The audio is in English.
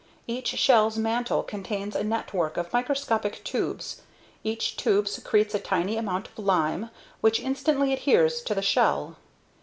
Each shell's mantle contains a network of microscopic tubes. Each tube secretes a tiny amount of lime which instantly adheres to the shell.